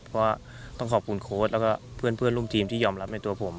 เพราะว่าต้องขอบคุณโค้ดแล้วก็เพื่อนร่วมทีมที่ยอมรับในตัวผม